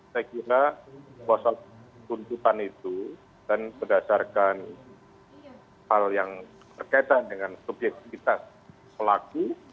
pada posok tuntutan itu dan berdasarkan hal yang berkaitan dengan subyektifitas pelaku